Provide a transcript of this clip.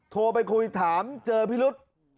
โทรไปคุยถามเจอพิรุษ